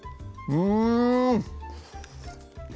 うん！